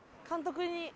監督に。